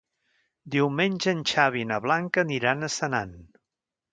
Diumenge en Xavi i na Blanca aniran a Senan.